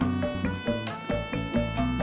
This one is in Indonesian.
ini lekarnya kong